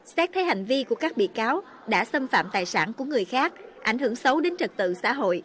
xét thấy hành vi của các bị cáo đã xâm phạm tài sản của người khác ảnh hưởng xấu đến trật tự xã hội